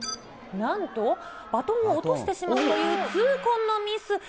なんと、バトンを落としてしまうという痛恨のミス。